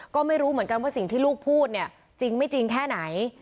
ก็ไม่รู้เหมือนกันว่าสิ่งที่ลูกพูดเนี่ยจริงไม่จริงแค่ไหน